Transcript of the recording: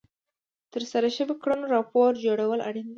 د ترسره شوو کړنو راپور جوړول اړین دي.